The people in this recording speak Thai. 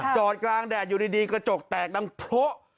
จอดกลางแดดอยู่ดีกระจกแตกดังโพะ